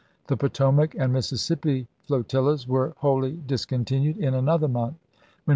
The Potomac and Mississippi flotillas were wholly discontinued in another month. When Mr. Vol.